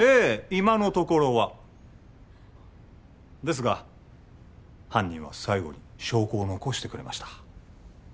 今のところはですが犯人は最後に証拠を残してくれました